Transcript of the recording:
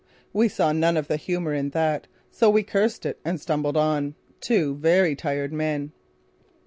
We saw none of the humour in that, so we cursed it and stumbled on, two very tired men.